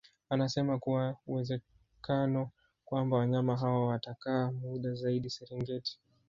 Anasema kuna uwezekano kwamba wanyama hao watakaa muda zaidi Serengeti